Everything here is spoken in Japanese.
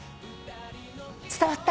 伝わった？